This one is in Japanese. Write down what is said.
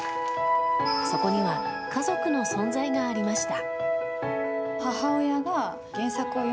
そこには家族の存在がありました。